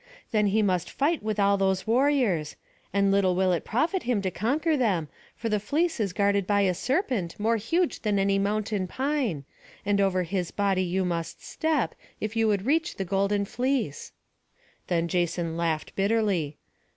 Then he must fight with all those warriors; and little will it profit him to conquer them; for the fleece is guarded by a serpent, more huge than any mountain pine; and over his body you must step, if you would reach the golden fleece." Then Jason laughed bitterly.